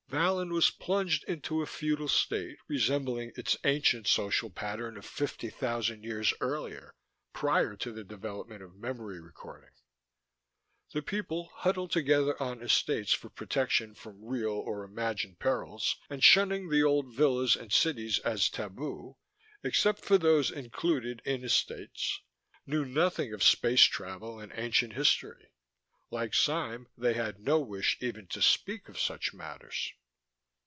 Vallon was plunged into a feudal state resembling its ancient social pattern of fifty thousand years earlier, prior to the development of memory recording. The people, huddled together on Estates for protection from real or imagined perils and shunning the old villas and cities as tabu except for those included in Estates knew nothing of space travel and ancient history. Like Sime, they had no wish even to speak of such matters.